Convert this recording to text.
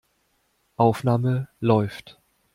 Aufnahme läuft.